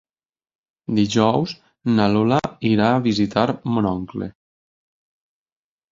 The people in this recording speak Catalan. Dijous na Lola irà a visitar mon oncle.